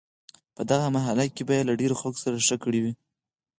په دغه مرحله کې به یې له ډیرو خلکو سره ښه کړي وي.